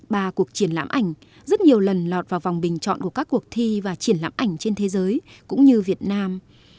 ba cuộc triển lãm ảnh rất nhiều lần lọt vào vòng bình chọn của các cuộc thi và triển lãm ảnh trên thế giới cũng như việt nam